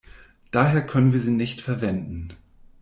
Daher können wir sie nicht verwenden.